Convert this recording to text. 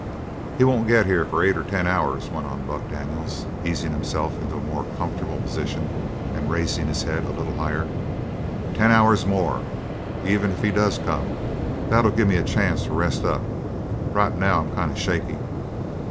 "He won't get here for eight or ten hours," went on Buck Daniels, easing himself into a more comfortable position, and raising his head a little higher. "Ten hours more, even if he does come. That'll give me a chance to rest up; right now I'm kind of shaky."